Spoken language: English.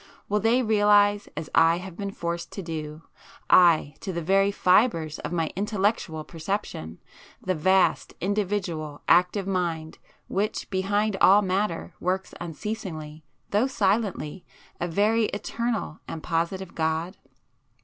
Will they realize as I have been forced to do,—aye, to the very fibres of my intellectual perception,—the vast, individual, active Mind, which behind all matter, works unceasingly, though silently, a very eternal and positive God?